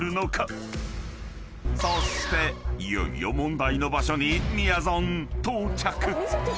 ［そしていよいよ問題の場所にみやぞん到着］